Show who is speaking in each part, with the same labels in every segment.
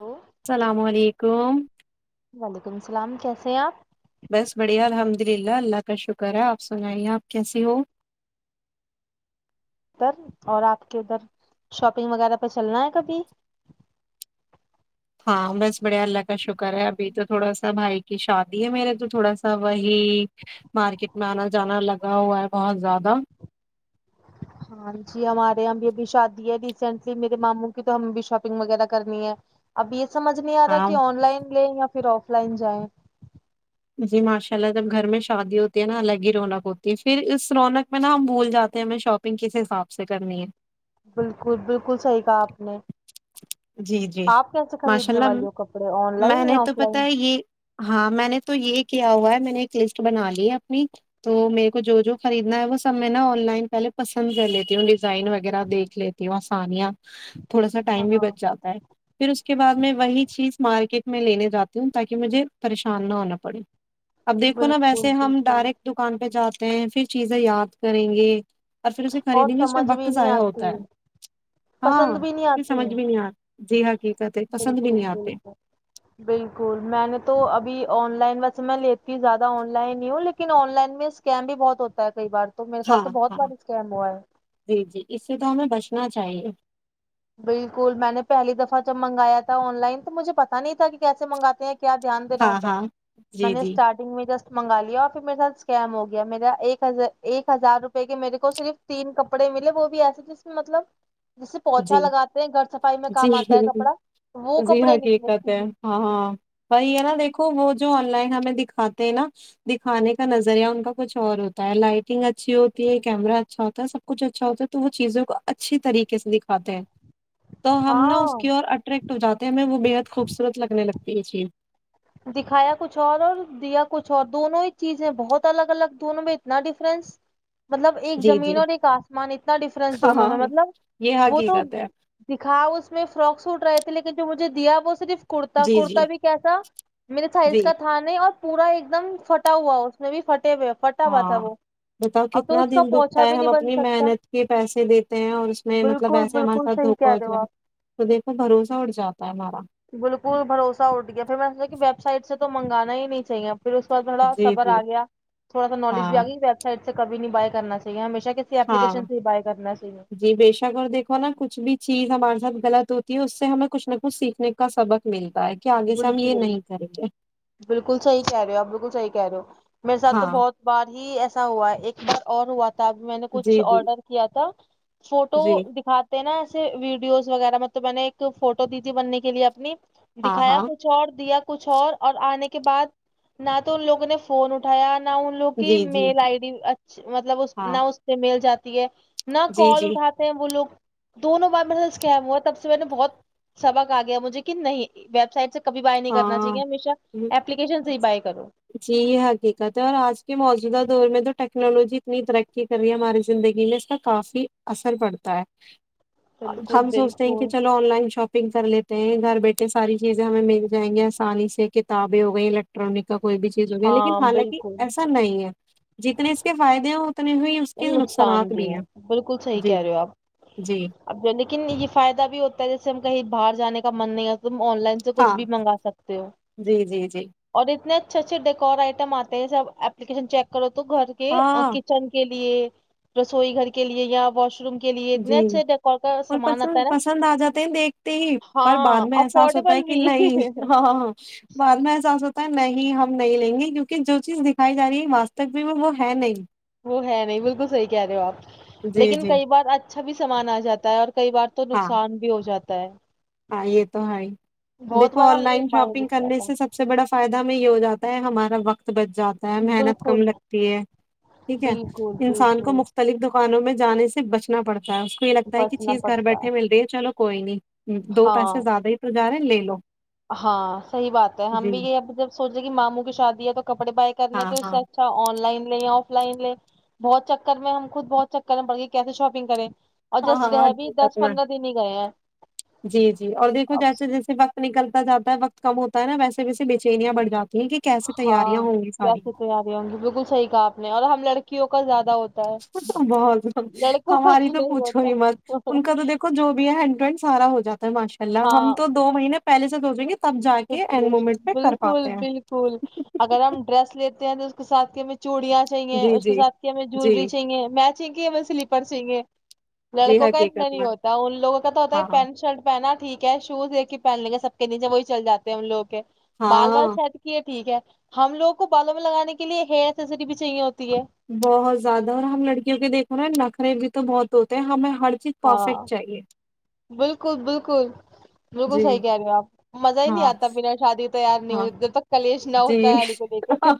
Speaker 1: Hello
Speaker 2: اسلام علیکم
Speaker 1: سیاپ
Speaker 2: بس بڑھیا الحمد للہ اللہ کا شکر ہے آپ سنائیے آپ کیسے ہو
Speaker 1: اور آپ کے ادھر شاپنگ وغیرہ پہ چلنا ہے کبھی
Speaker 2: ہاں بس بڑھیا اللہ کا شکر کرا ہے ابھی تو تھوڑا سا بھائی کہ شادی ہے میرے تو تھوڑا سا وہی مارکیٹ میں آنا جانا لگا ہوا ہے بہت زیادہ
Speaker 1: ہاں جی ہمارے یہاں بھی ابھی شادی ہے ریسینٹلی میرے ماموں کی تو ہمیں بھی شاپنگ وغیرہ کرنی ہے ابھی سمجھ نہیں ا رہا
Speaker 2: ہاں
Speaker 1: کہ آن لائن لے یا پھر آف لائن جائیں
Speaker 2: جی ماشاء اللہ جب گھر میں شادی ہوتی ہے نا الگ ہی رونق ہوتی ہے پھر اس رونق میں نا ہم بھول جاتے ہیں ہمیں شاپنگ کس حساب سے کرنی ہے
Speaker 1: بالکل بالکل صحیح کہا آپ نے
Speaker 2: جی جی
Speaker 1: آپ کیسے
Speaker 2: ماشاء
Speaker 1: خریدنے
Speaker 2: اللہ
Speaker 1: والی ہو کپڑے آن
Speaker 2: میں
Speaker 1: لائن
Speaker 2: نے
Speaker 1: یا
Speaker 2: تو
Speaker 1: آف لائن
Speaker 2: پتا ہے یہ ہاں میں نے تو یہ کیا ہوا ہے میں نے ایک لسٹ بنا لی ہے اپنی تو میرے کو جو جو خریدنا ہے وہ سب میں نا آن لائن پہلے پسند کر لیتی ہوں ڈزائن وغیرہ دیکھ لیتی ہوں کھانیا تھوڑا سا ٹائم بھی
Speaker 1: ہاں
Speaker 2: بچ جا ہے پھر اس کے بعد میں وہی چیز مارکیٹ میں لینے جاتی ہوں تاکہ مجھے پریشان نہ ہونا پڑے اب دیکھو نا
Speaker 1: بالکل
Speaker 2: ویسے ہم
Speaker 1: بالکل
Speaker 2: ڈائریکٹ دکان پہ جا تے ہیں پھر چیزیں یاد کریں گے اور پھر اسے
Speaker 1: اور
Speaker 2: خریدیں گے اس میں
Speaker 1: سمجھ
Speaker 2: وقت
Speaker 1: بھی نہیں
Speaker 2: ضائع ہوتا
Speaker 1: آتی
Speaker 2: ہے
Speaker 1: پسند
Speaker 2: ہاں
Speaker 1: بھی نہیں آتی
Speaker 2: سمج بھی نہیں جی ہاں جی
Speaker 1: بالکل بالکل بالکل میں نے تو ابھی آن لائن میں لیتی زیادہ آن لائن ہی ہوں لیکن آن لائن میں سکم بھی بہت ہوتا ہے کئی بار تو میرے ساتھ
Speaker 2: ہاں
Speaker 1: تو بہت
Speaker 2: ہاں
Speaker 1: بار اسکیم ہوا ہے
Speaker 2: جی جی اس سے تو ہمیں بچنا چاہیے
Speaker 1: بالکل میں نے پہلی دفعہ جب منگایا تھا آن لائن تو مجھے پتا نہیں تھا کہ کیسے منگاتے ہیں کیا دھیان دینا
Speaker 2: ہاں
Speaker 1: ہوتا ہے
Speaker 2: ہاں
Speaker 1: میں
Speaker 2: جی
Speaker 1: نے
Speaker 2: جی
Speaker 1: اسٹارٹنگ میں جسٹ منگا لیا اور پھر میرے ساتھ سکیم ہو گیا میرا ایک ہزار ایک ہزار روپے کے میرے کو صرف تین کپڑے ملے وہ بھی ایسے جس میں مطلب سے پوچھا
Speaker 2: جی
Speaker 1: لگاتے ہیں گھر صفائی میں
Speaker 2: جی
Speaker 1: کام آتا ہے کپڑا وہ
Speaker 2: جی
Speaker 1: کپڑے نکلے
Speaker 2: حقیقت ہے
Speaker 1: تین
Speaker 2: ہاں ہاں وہی ہے نا دیکھو وہ جو جو آن لائن ہمیں دکھاتے ہیں نا دکھانے کا نظریہ ان کا کچھ اور ہوتا ہے لائٹنگ اچھی ہوتی ہے کیمرا اچھا ہوتا ہے سب کچھ اچھا ہوتا ہے تو وہ چیزوں کو اچھی طریقے سے دکھ کھاتے ہیں تو ہم نا اس
Speaker 1: ہاں
Speaker 2: کی اور اٹریکٹ ہو جاتے ہیں ہمیں وہ بےحد خوبصورت لگنے لگ جی جی
Speaker 1: دکھایا کچھ اور اور دیا کچھ اور دونوں ہی چیزیں بہت الگ الگ دونوں میں اتنا ڈفرنس مطلب ایک
Speaker 2: جی
Speaker 1: زمین
Speaker 2: جی
Speaker 1: اور ایک آسمان اتنا ڈفرنس
Speaker 2: ہاں
Speaker 1: دونوں میں
Speaker 2: ہاں یہ
Speaker 1: مطلب وہ تو
Speaker 2: حقیقت ہے
Speaker 1: دکھا اس میں فراک سوٹ رہا لیکن جو مجھے دیا وہ صرف کرتا
Speaker 2: جی
Speaker 1: کرتا
Speaker 2: جی
Speaker 1: بھی کیسا میرے سائز
Speaker 2: جی
Speaker 1: کا تھا نہیں اور پورا ایک دم فھٹا ہوا اس میں بھی فٹ
Speaker 2: ہاں بتاؤ
Speaker 1: اب تو
Speaker 2: کتنا
Speaker 1: اس کا
Speaker 2: دل دکھتا
Speaker 1: پوچھا
Speaker 2: ہے
Speaker 1: بھی
Speaker 2: ہم
Speaker 1: نہیں بن
Speaker 2: اپنی
Speaker 1: سکتا
Speaker 2: محنت کے پیسے دیتے ہیں اور اس میں مطلب
Speaker 1: بالکل
Speaker 2: ایسے ہمارے
Speaker 1: بالکل
Speaker 2: ساتھ
Speaker 1: صحیح
Speaker 2: دھوکا
Speaker 1: کہہ
Speaker 2: ہو
Speaker 1: رہے آپ
Speaker 2: جائے تو دیکھو بھروسہ اٹ جاتا ہے ہمارا
Speaker 1: بالکل بھروسہ اٹھ گیا پھر میں نے سوچا کہ ویب سائٹ سے تو منگانا ہی نہیں چاہیے۔ پھر اس کے بعد تھوڑا
Speaker 2: جی
Speaker 1: صبر
Speaker 2: جی
Speaker 1: آگیا۔ تھوڑا سا نالج بھی
Speaker 2: ہاں
Speaker 1: آ گئی ویب سائٹ۔۔۔ سے کب نہیں بائے کرنا چاہیے۔ ہمیشہ۔۔۔ کسی
Speaker 2: ہاں۔
Speaker 1: ایپلیکیشن سے ہی بائی کرنا چاہیے
Speaker 2: جی بےشک اور دیکھو نا کچھ بھی چیز ہمارے ساتھ غلط۔۔ ہوتی ہے تو اس سے ہمیں کچھ نہ کچھ سیکھنے۔۔۔ کا سبق ملتا ہے کہ آگے سے ہم یہ
Speaker 1: بالکل۔
Speaker 2: نہیں کریں گے
Speaker 1: بالکل صحیح کہہ رہے ہو آپ ۔بالکل صحیح کہہ رہے ہو۔ میرے ساتھ تو
Speaker 2: ہاں
Speaker 1: بہت بار ہی ایسا۔۔۔ ہوا ہے ایک بار اور ہوا تھا۔۔۔ تب میں نے کچھ
Speaker 2: جی جی
Speaker 1: آڈر کیا تھا۔۔ فوٹو
Speaker 2: جی
Speaker 1: دکھاتے ہیں نا۔۔ ویڈیوز وغیرہ مطلب میں نے ایک فوٹو دی تھی بننے کے لیے اپنی۔
Speaker 2: ہاں
Speaker 1: دکھایا
Speaker 2: ہاں
Speaker 1: کچھ اور دیا ۔۔۔ کچھ اور اور آنے کے بعد نہ تو ان لوگوں نے فون اٹھایا ۔۔۔ نہ ان لوگ کی
Speaker 2: جی جی
Speaker 1: میل آئی ڈی ا۔۔۔ مطلب نہ
Speaker 2: ہاں
Speaker 1: اس پہ مل جاتی۔۔۔ ہے۔ [inaudible] نہ
Speaker 2: جی
Speaker 1: کال
Speaker 2: جی
Speaker 1: اٹھاتے ہیں وہ لوگ۔ دونوں بار میرے ساتھ اسکم ہوا۔ تب سے میں نے بہت سبق آ گیا مجھے۔۔۔ کہ نہیں ویب سائٹ سے۔۔ کبھی بائی نہیں کرنا
Speaker 2: ہاں
Speaker 1: چاہیے ہمیشہ اپلیکیشن سے ہی بائی کرو
Speaker 2: ۔جی حقیقت ہے اور آج کے موجودہ دور میں تو۔۔۔۔ ٹیکنالوجی اتنی ترقی کر رہی ہے ہماری زندگی میں اس کا کافی اثر پڑتا ہے۔
Speaker 1: بالکل
Speaker 2: ہم سوچتے ہیں کہ
Speaker 1: بالکل
Speaker 2: چلو آن لائن شاپنگ۔۔۔ شاپنگ کر لیتے ہیں گھر بیٹھے ساری چیزیں ہمیں مل۔۔ جائیں گی۔ آسانی سے کتابیں ہو گئی۔ الیکٹرانک۔۔۔۔ کا کوئی بھی چیز ہوگیا ۔لیکن
Speaker 1: ہاں
Speaker 2: حالانکہ
Speaker 1: بالکل
Speaker 2: ایسا نہیں ہے۔ جتنے اس کے فائدے ہیں اتنے ہی اس کے
Speaker 1: نقصان
Speaker 2: نقصانات
Speaker 1: بھی ہے۔
Speaker 2: ہیں
Speaker 1: بالکل صحیح
Speaker 2: جی
Speaker 1: کہہ رہے ہو آپ
Speaker 2: جی
Speaker 1: ۔اب جو لیکن یہ فائدہ بھی ہوتا ہے۔۔۔ جیسے ہم کہیں باہر جانے کا من نہیں ہے۔ تم آن لائن سے کچھ
Speaker 2: ہاں
Speaker 1: بھی منگوا سکتے ہو
Speaker 2: جی جی جی
Speaker 1: اور اتنے۔۔۔ اچھے اچھے ڈیکور آئٹم آتے ہیں جب اپپلیکین چیک۔۔۔ کرو۔۔۔ تو گھر کے،
Speaker 2: ہاں
Speaker 1: کچن کے۔۔۔ لیے، رسوئی گھر کے لیے یا واش روم۔۔۔ کے لیے اتنے
Speaker 2: جی
Speaker 1: اچھے ڈیکور کا
Speaker 2: اور
Speaker 1: سامان
Speaker 2: پس
Speaker 1: آتا ہے نا
Speaker 2: پسند آ جاتے ہیں دیکھتے ہی پر بعد
Speaker 1: ہاں
Speaker 2: میں احساس ہوتا
Speaker 1: افورڈیبل
Speaker 2: ہے کہ
Speaker 1: بھی
Speaker 2: نہیں ہاں بعد میں احساس ہوتا نہیں ہم نہیں لیں گے کیونکہ جو چیز دکھائی جا رہی ہے واستوی میں وہ ہے نہیں
Speaker 1: وہ ہے نہیں بالکل صحیح کہہ رہے ہو آپ
Speaker 2: جی
Speaker 1: لیکن
Speaker 2: جی
Speaker 1: کئی بار اچ اچھا بھی سامان آ جاتا ہے اور کئی بار تو
Speaker 2: ہاں
Speaker 1: نقصان بھی ہو جاتا ہے
Speaker 2: ہاں یہ تو ہے ہی
Speaker 1: بہت
Speaker 2: دیکھو
Speaker 1: بار ہم
Speaker 2: آن
Speaker 1: نے
Speaker 2: لائن
Speaker 1: باہر بھی
Speaker 2: شاپنگ
Speaker 1: کیا
Speaker 2: کرنے
Speaker 1: تھا
Speaker 2: سے سب سے بڑا فائدہ ہمیں یہ ہو جاتا ہے ہمارا وقت بچ جاتا ہے محنت کم
Speaker 1: بالکل
Speaker 2: لگتی ہے ٹھیک ہے
Speaker 1: بالکل
Speaker 2: انسان کو
Speaker 1: بالکل
Speaker 2: مختلف دکانوں میں جانے سے بچنا پڑتا ہے اس کو یہ لگتا ہے کہ
Speaker 1: بچنا
Speaker 2: چیز گھر
Speaker 1: پڑتا
Speaker 2: بیٹھے مل رہی ہے چلو کوئی نہیں دو پیسے
Speaker 1: ہاں
Speaker 2: زیادہ ہی تو جارہے لے لو
Speaker 1: ہاں صحیح بات ہے ہم بھی
Speaker 2: جی
Speaker 1: یہ اب جب سوچے کہ ماموں کی شادی ہے کپڑے بائی کرنے ہیں
Speaker 2: ہاں
Speaker 1: تو اس
Speaker 2: ہاں
Speaker 1: سے اچھا online line offline لے بہت چکر میں ہم خود بہت چکر میں پڑھ گئے کیسے شاپنگ کریں اور
Speaker 2: ہاں
Speaker 1: جسٹ
Speaker 2: ہاں ہاں
Speaker 1: رہ بھی
Speaker 2: جت
Speaker 1: دس
Speaker 2: میں
Speaker 1: پندرہ دن ہی گئے ہیں
Speaker 2: جی جی اور دیکھو
Speaker 1: اب
Speaker 2: جیسے جیسے وقت نکلتا جاتا ہے وقت کم ہوتا نا ویسے ویے بےچینیاںڑھ جاتی ہیں کہ کیسے
Speaker 1: ہاں
Speaker 2: تیاریاں ہوں گی ساری
Speaker 1: کیسی تیاری ہوں گی بالکل صحیح کہا آپ نے اور ہم لڑکیوں کو زیادہ ہو
Speaker 2: بہت بہت ہماری تو
Speaker 1: نہیں
Speaker 2: پوچھو
Speaker 1: ہوتا
Speaker 2: ہی مت
Speaker 1: ہے
Speaker 2: ان کا تو دیکھو جو بھی ہے سارا ہو جاتا ہے ماشاءاللہ اللہ ہم تو دو مہینے پہلے تو ہو جیں گے تب جا کے
Speaker 1: شکریہ
Speaker 2: اینڈ مومنٹ
Speaker 1: شکریہ
Speaker 2: پہ کر
Speaker 1: بالکل
Speaker 2: پاتے ہیں
Speaker 1: بالکل اگر ہم ڈریس لی ہیں اس کے ساتھ کے میں چوڑیاں چاہیے
Speaker 2: جی
Speaker 1: اس کے
Speaker 2: جی
Speaker 1: ساتھ کیا ہمیں
Speaker 2: جی
Speaker 1: جویلری چاہیے میں کے سلیپر چاہیں گے
Speaker 2: جی
Speaker 1: لڑکوں کا اتنا
Speaker 2: حقیقت
Speaker 1: نہیں
Speaker 2: میں
Speaker 1: ہوتا ان لوگوں کا تو ہوتا ہے
Speaker 2: ہاں
Speaker 1: پینٹ شرٹ پہنا ٹھیک ہے شوز ایک پہنیں گے سب کے نیے وہی چل جاتے ہیں ہم لوگ کے بال وال
Speaker 2: ہاں
Speaker 1: سیٹ کی ہے ٹھیک ہے ہم لوگوں کو بالوں میں لگانے کے لیے ہیئر ایسری بھی چاہیے ہوتی ہے
Speaker 2: بہت زیادہ اور ہم لڑکیوں کے دیکھو نا نخرے تو بہت ہوتے ہیں ہمیں ہر چیز پرفیکٹ
Speaker 1: ہاں
Speaker 2: چاہیے
Speaker 1: بالکل بالکل بالکل
Speaker 2: جی
Speaker 1: صحی کہہ رہے آپ مزا ہی نہیں
Speaker 2: ہاں
Speaker 1: آتا بنا شادی تو یار نہیں
Speaker 2: ہاں
Speaker 1: ہو جب تک کلیش نہ
Speaker 2: جی
Speaker 1: ہوتا ہے علی کو لے کے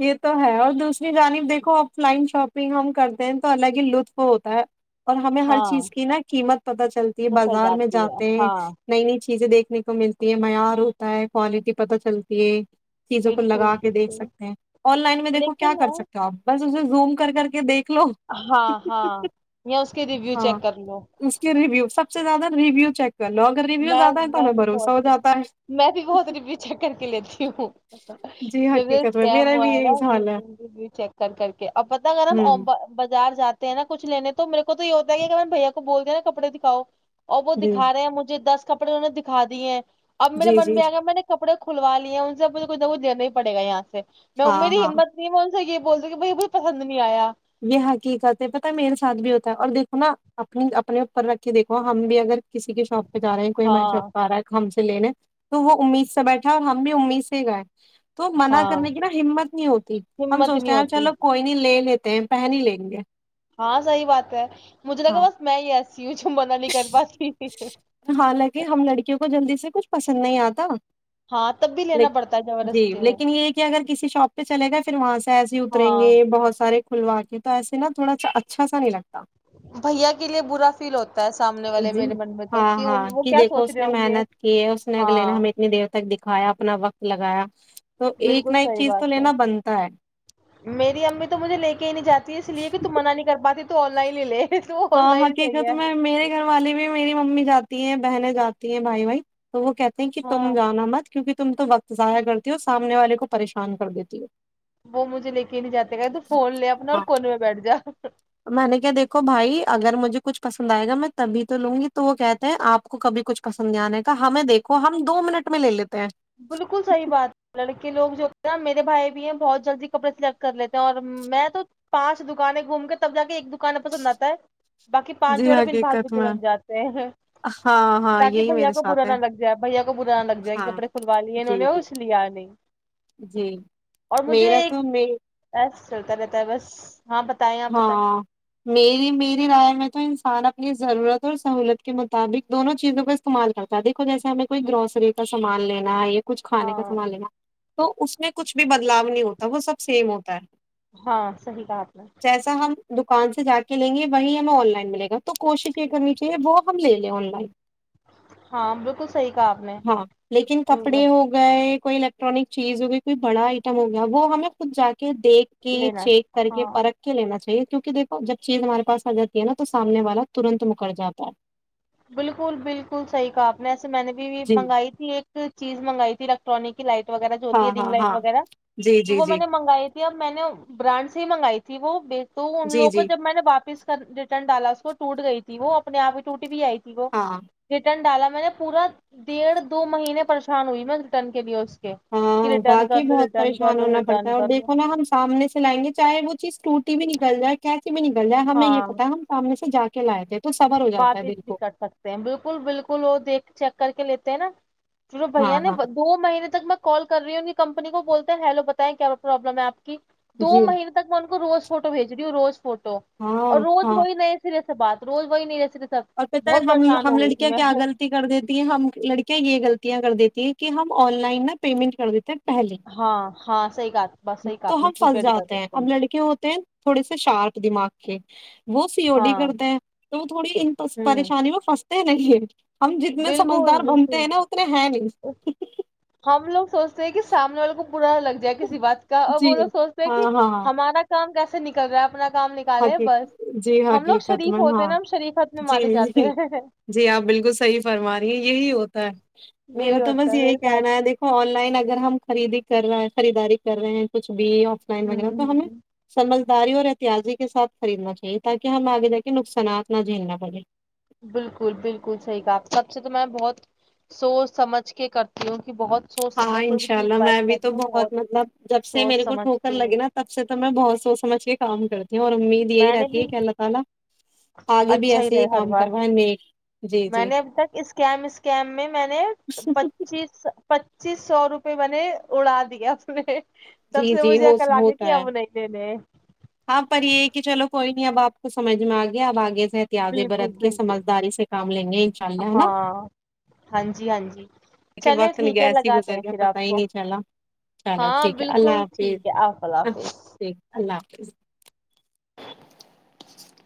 Speaker 2: یہ تو ہے اور دوسری جانب دیک آف لائن شاپنگ ہم کرتے ہیں تو الگ ہی لطف ہوتا ہے اور ہمیں ہر
Speaker 1: ہاں
Speaker 2: چیز کی نا قیمت پتہ چلتی ہے
Speaker 1: بسل
Speaker 2: بازار میں
Speaker 1: جاتی ہے
Speaker 2: جاتے ہیں
Speaker 1: ہاں
Speaker 2: نئی نئی چیز چیزیں دیکنے کو ملتی ہیں معیار ہو تا ہے کوالٹی پتہ چلتی ہے چیزوں کو
Speaker 1: بالکل
Speaker 2: لگا کے دیکھ
Speaker 1: بالکل
Speaker 2: سکتے ہیں آن لائن میں دیکھو کیا
Speaker 1: لیکن
Speaker 2: کر
Speaker 1: نا
Speaker 2: سکتے ہو آپ بس اسے زوم کر کر کے دیکھ لو
Speaker 1: ہاں ہاں یا اس کے ریویو
Speaker 2: ہاں
Speaker 1: چیک کر لو
Speaker 2: اس کے ریویو سب زیادہ ریویو چیک کر لو اگر ریویوز
Speaker 1: میں
Speaker 2: آتا ہے تو
Speaker 1: میں
Speaker 2: ہمیں
Speaker 1: بھی
Speaker 2: بھروسہ ہو
Speaker 1: بہت
Speaker 2: جاتا ہے
Speaker 1: میں بہت رپی چیک کر کے لیتی ہوں
Speaker 2: جی
Speaker 1: جیے
Speaker 2: حقیقت میں
Speaker 1: اسکیم
Speaker 2: میرا بھی
Speaker 1: وغیرا
Speaker 2: یہی حال ہے
Speaker 1: بالکل ری چیک کر کر کے اب پت اگر
Speaker 2: ہوں
Speaker 1: بازار جاتے تے ہیں نا کچ لینے تو میرے کو تو یہ ہوتا ہے کہ بھیا کو بولتے ہیںا کپڑے دکھاؤ اور وہ
Speaker 2: جی
Speaker 1: دکھاے ہیں مجھے دس کپڑے انہوں نے دکھا دی ہیں اب میرے
Speaker 2: جی
Speaker 1: من
Speaker 2: جی
Speaker 1: میں آ
Speaker 2: جی
Speaker 1: گیا میں نے کپڑے کو کھلوا لی ہے ان سے کچھھ دینا پڑے گا یہاں سے
Speaker 2: ہاں
Speaker 1: نومی
Speaker 2: ہاں
Speaker 1: ہمت نہیں سی یہ بولتے کہ بائی کو پسند نہیں آیا
Speaker 2: یہ حقیقت ہے پتا میرے ساتھ بھی ہوتا ہے اور دیکھو نا اپنی اپنے اوپر رکھ کے دیکھو ہم بھی اگر کسی کے شوپ رہے کوئی ہمیں
Speaker 1: ہاں
Speaker 2: چھپا ہے لینے تو وہ امید سے بیٹھا اور ہم بھی امید سے ہی گئے تو منع
Speaker 1: ہاں
Speaker 2: کرنے کی نا ہمت نہیں ہوتی ہم
Speaker 1: ہمت نہیں
Speaker 2: سوچتے ہیں
Speaker 1: ہوتی
Speaker 2: چلو کوئی نہیں لے لیتے [inaudible] پہن ہی لیں گے
Speaker 1: ہاں صحی بات ہے مجھے
Speaker 2: ہاں
Speaker 1: لگا بس میں ہی ایسا سیو چ منا نہیں کر پ
Speaker 2: حالانکہ ہم لڑکیوں کو جلدی سے کچھ پسند نہیں آتا
Speaker 1: ہاں تب بھی لینا پڑتا ہے
Speaker 2: جی
Speaker 1: زبردستی میں
Speaker 2: لیکن یہ کہ اگر کسی شاپ پہ چلے گا پھر وہاں سے ایسے ہی اتریں
Speaker 1: ہاں
Speaker 2: گے بہت سارے کھلوا کے تو ایسے نا تھواا اچھا سا نہیں لگتا
Speaker 1: بھیا کے لیے برا فیل ہوتا ہے سامنے والے
Speaker 2: جی
Speaker 1: میرے من میں تو
Speaker 2: ہاں ہاں
Speaker 1: وہ
Speaker 2: کہ
Speaker 1: کیا
Speaker 2: دیکھو
Speaker 1: سوچ
Speaker 2: اس
Speaker 1: رہے
Speaker 2: نے
Speaker 1: ہوں گے
Speaker 2: محنت کی ہے اس نے اگلے نے
Speaker 1: ہاں
Speaker 2: ہمیں اتنی دیر تک د کایا اپنا وقت لگایا تو ایک
Speaker 1: بالکل
Speaker 2: نہ ایک
Speaker 1: صحیح
Speaker 2: چیز تو
Speaker 1: بات ہے
Speaker 2: لینا بنتا ہے
Speaker 1: میری امی تو مجھے لے کے ہی نہیں جاتی اس لیے کہ تم منع نہیں کر پاتی تو آن لائن لے تو آن
Speaker 2: ہاں
Speaker 1: لائن ہی صحیح
Speaker 2: حقیقت
Speaker 1: ہے
Speaker 2: میں میرے گھر والے بھی میری ممی جاتی ہیں بہنے جاتی ہیں بھائی بھائی تو وہ کہتے ہیں کہ تم
Speaker 1: ہاں
Speaker 2: جانا مت کیونکہ تم تو وقت ضائع کرتی ہو اور سامنے والے کو پریشان کر دیتی ہو
Speaker 1: وہ مجھے لے کے نہیں جاتے گے تو فون لے اپنا اور
Speaker 2: ہاں
Speaker 1: کونے میں بیٹھ جا
Speaker 2: میں نے کیا دیکھو بھائی اگر مجھے کچھ پسند آئے گا میں تبھی تو لوں گی تو وہ کہتے ہیں آپ کو کبھی کچھ پسند نہیں آنے کا ہمیں دیکھو ہم دو منٹ میں لے لیتے ہیں
Speaker 1: بالکل صحیح بات ہے لڑکے لوگ جو نا میرے بھائی بھی ہیں بہت جلدی کپڑے سلیکٹ کر لیتے ہیں اور میں تو پانچ دکانیں گھوم کے تب جا کے ایک دکانیں پسند آتا ہے باقی پانچ
Speaker 2: جی
Speaker 1: جوڑے ب بھاس
Speaker 2: حقیقت
Speaker 1: بے
Speaker 2: میں
Speaker 1: بن جاتے ہیں
Speaker 2: ہاں ہاں
Speaker 1: تاکہ
Speaker 2: یہی
Speaker 1: بھیا
Speaker 2: میرے
Speaker 1: کو برا
Speaker 2: ساتھ ہے
Speaker 1: نہا لگ جائے بھیا کو برا نا لگ جائے کہ
Speaker 2: ہاں
Speaker 1: کپڑے لی انہوں
Speaker 2: جی
Speaker 1: نے
Speaker 2: جی
Speaker 1: اس لیا نہیں
Speaker 2: جی
Speaker 1: اور مجھے
Speaker 2: میرا
Speaker 1: ایک
Speaker 2: تو میں
Speaker 1: [inaudible] بس چلتا رہتا ہے بس ہاں بتائیں آپ بتائیں
Speaker 2: ہاں میری میری رائے میں تو انسان اپ یہ ضرورت اور سہولت کے مطابق دونوں چیزوں کا استعمال کرتا ہے دیکھو جیسے ہمیں کوئی گروسری کا سامان لینا ہے کچھ کھانے
Speaker 1: ہاں
Speaker 2: کا سامان لینا تو اس میں کچھ بھی بدلاؤ نہیں ہوتا وہ سب سیم ہوتا ہے
Speaker 1: ہاں صحی بات ہے
Speaker 2: جیسا ہم دکان سے جا کے لیں گے وہیں ہمیں آن لائن ملے گا تو کوشش یہ کرنی چاہیے وہ ہم لے لیں آن لائن
Speaker 1: ہاں بالکل صحیح کہا آپ نے
Speaker 2: ہاں لیکن کپڑے ہو گئے کوئی الیکٹرانک چیز ہوگئی کوئی بڑا آئٹم ہو گیا وہ ہمیں خود جا کے دیکھ کے
Speaker 1: لینا
Speaker 2: چیک
Speaker 1: ہاں
Speaker 2: کر کے لینا چاہیے کیونکہ دیکھو جب چیز ہمارے پاس آ جاتی ہے نا تو سامنے والا ترنت مکر جاتا ہے
Speaker 1: بالکل بالکل صحیح کہا آپ نے ایسا میں نے بھی
Speaker 2: جی
Speaker 1: منگائی تھی ایک چیز منگائی تھی الیکٹرانک کی لائٹ وغیرہ جو ہوتی ہے
Speaker 2: ہاں
Speaker 1: رنگ
Speaker 2: ہاں
Speaker 1: لائٹ
Speaker 2: ہاں
Speaker 1: وغیرہ
Speaker 2: جی
Speaker 1: تو
Speaker 2: جی
Speaker 1: وہ میں
Speaker 2: جی
Speaker 1: نے منگائی تھی اب میں نے برانڈ سے ہی منگائی تھی وہ تو ان
Speaker 2: جی
Speaker 1: لگوں کو
Speaker 2: جی
Speaker 1: جب میں نے واپس ریٹرن ڈالا اس وہ ٹوٹ گئی تھی وہ اپنے آ ہی ٹوٹ [inaudible] [inaudible] میں
Speaker 2: ہاں
Speaker 1: نے پورا ڈیڑھ دو مہینے پریشان ہوئی میں رٹن کے لیے کے کہ
Speaker 2: ہاں
Speaker 1: ریٹرن کر
Speaker 2: واقعی
Speaker 1: لو
Speaker 2: بہت
Speaker 1: ریٹرن کر
Speaker 2: پریشان
Speaker 1: لو
Speaker 2: ہونا پڑتا
Speaker 1: ریٹرن
Speaker 2: ہے اور
Speaker 1: کر لو
Speaker 2: دیکھو نا ہم سامنے سے لائیں گے چاہے وہ چیز ٹوٹتی بھی نہیں [inaudible] ہمیں یہ
Speaker 1: ہاں
Speaker 2: پتہ ہم سامنے سے جا [inaudible] جاتا ہے
Speaker 1: واپس
Speaker 2: دل
Speaker 1: بھی
Speaker 2: کو
Speaker 1: کر سکتے ہیں بالکل بالکل وہ دیکھ چیک کر کے لیتے ہیں نا بھیا
Speaker 2: ہاں
Speaker 1: نے
Speaker 2: ہاں
Speaker 1: دو مہینے تک میں کال کر رہی ہوں کمپنی کو بولتے ہیں ہیلو بتائیں کیا پرابلم ہے اپ کی دو
Speaker 2: جی
Speaker 1: مہین تک [inaudible] تو
Speaker 2: ہاں
Speaker 1: عروج
Speaker 2: ہاں
Speaker 1: وہی ن صرف بات تو کوئی نہیں
Speaker 2: اور کہتا ہے ہم لڑکیاں کے کیا غلطی کر دیتی ہیں ہم لڑکیاں یہ غلطیاں کر دی اے کے ہم ان لائن میں پیمنٹ کر دیتے
Speaker 1: ہاں ہاں صحیح کہا بس صحیح کہا
Speaker 2: تو
Speaker 1: آپ نے
Speaker 2: ہم
Speaker 1: پری
Speaker 2: پھنس
Speaker 1: پیڈ کر
Speaker 2: جاتے ہیں
Speaker 1: دیتے
Speaker 2: ہم لڑکے ہوتے ہیں تھوڑے سے شارک دماغ کے وہ سی او ڈی
Speaker 1: ہاں
Speaker 2: کرتے ہیں تو تھوڑی
Speaker 1: ہوں
Speaker 2: پریشانی میں رہیں ہم جتنا
Speaker 1: بالکل
Speaker 2: سمجھدار بنتے
Speaker 1: بالکل
Speaker 2: ہیں نا اتنے نہیں
Speaker 1: ہم لوگ سوچتے ہیں کہ سامنے والے کو برا لگ جائے کسی وقت کا اور
Speaker 2: جی
Speaker 1: بولو سوچتا ہے
Speaker 2: ہاں
Speaker 1: کہ
Speaker 2: ہاں
Speaker 1: ہمارا کام کیسے سے نکل رہا ہے اپنا کام نکالے بس
Speaker 2: جی
Speaker 1: ہم لوگ
Speaker 2: حقیقت
Speaker 1: شریف ہوتے
Speaker 2: ہاں
Speaker 1: ہیں نا ہم شریفت میں
Speaker 2: جی
Speaker 1: مارے جاتے ہیں
Speaker 2: جی اپ بالکل صحیح فرما رہی ہیں یہی ہوتا ہے میرا
Speaker 1: یہی
Speaker 2: تو
Speaker 1: ہوتا
Speaker 2: بس
Speaker 1: ہے
Speaker 2: یہی
Speaker 1: میرے ساتھ
Speaker 2: کہنا ہے دیکھو لائن اگر ہم خریدی کر رہے ہیں خریداری کر رہے ہیں کچھ ایڈ یہ اف لائن
Speaker 1: ہوں
Speaker 2: وغیرہ تو ہمیں
Speaker 1: ہوں
Speaker 2: سمجھ جا رہی ہوں اور احتیازی کے ساتھ خریدنا چاہیے تاکہ ہم اگے دیکھیں نقصانات نہ جھیلنا پڑے
Speaker 1: [unintelligible] سوچ
Speaker 2: ہاں
Speaker 1: سمجھ کوئی بھی
Speaker 2: انشاء
Speaker 1: چیز
Speaker 2: اللہ میں
Speaker 1: بائی
Speaker 2: بھی
Speaker 1: کر
Speaker 2: تو
Speaker 1: رہی ہوں
Speaker 2: بہت مطلب جب سے
Speaker 1: سوچ
Speaker 2: میرے کو
Speaker 1: سمجھ
Speaker 2: ٹھوکر
Speaker 1: کے
Speaker 2: لگے نا تب سے تو میں بہت سوچ سمجھ کے کام کرتی اور امید یہی
Speaker 1: میں نے
Speaker 2: رہتی
Speaker 1: بھی
Speaker 2: ہے کہ اللہ تعالی آگے بھی
Speaker 1: اچھا ہی
Speaker 2: ایسے
Speaker 1: رہے ہر
Speaker 2: کام
Speaker 1: بات
Speaker 2: کروائے نیک جی
Speaker 1: میں
Speaker 2: جی
Speaker 1: نے اب تک اسکیم اسکیم میں میں نے پچیس چیس سو روپے میں نے اڑا دیا اس مے تب
Speaker 2: جی
Speaker 1: سے
Speaker 2: جی
Speaker 1: مجھے
Speaker 2: ہو
Speaker 1: عقل آ گئی کی
Speaker 2: ہوتا ہے
Speaker 1: اب نہیں دینے
Speaker 2: ہاں پر یہ ہے کہ چلو کوئی نہیں اب آپ کو سمجھ میں آگے اب آگے احتیات
Speaker 1: بالکل
Speaker 2: برت کے
Speaker 1: بالکل
Speaker 2: سمجھداری سے کام لیں گے انشاء اللہ ہے نا
Speaker 1: ہاں ہاں جی ہاں جی
Speaker 2: دیکھے
Speaker 1: چلے
Speaker 2: وقت
Speaker 1: ٹھیک ہے
Speaker 2: کیسے
Speaker 1: لگاتے
Speaker 2: گزر
Speaker 1: ہیں
Speaker 2: گیا
Speaker 1: پھر
Speaker 2: پتا
Speaker 1: آپ
Speaker 2: ہی
Speaker 1: کو
Speaker 2: نہیں چلا چلو
Speaker 1: ہاں
Speaker 2: ٹھیک ہے اللہ
Speaker 1: بالکل ٹھیک ہے آپ اللہ
Speaker 2: حافظ
Speaker 1: حافظ
Speaker 2: ٹھیک اللہ حافظ [inaudible] [inaudible]